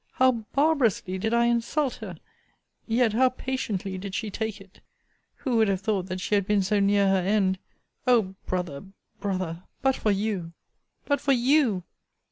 How barbarously did I insult her! Yet how patiently did she take it! Who would have thought that she had been so near her end! O Brother, Brother! but for you! But for you!